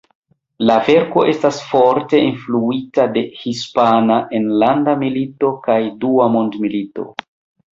La verko estas forte influita de Hispana enlanda milito kaj Dua mondmilito.